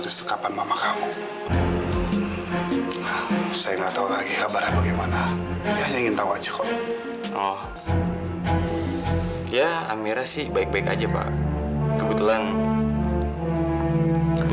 rizky sama sekali gak perhatian sama aku